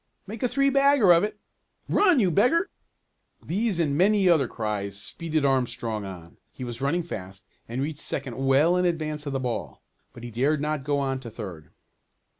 "Make a three bagger of it!" "Run, you beggar!" These and many other cries speeded Armstrong on. He was running fast and reached second well in advance of the ball. But he dared not go on to third.